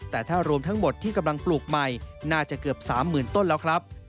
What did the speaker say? แต่ถ้ารวมทั้งหมดที่กำลังปลูกใหม่น่าจะเกือบ๓๐๐๐ต้นแล้วครับ